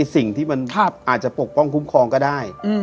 สิ่งที่มันอาจจะปกป้องคุ้มครองก็ได้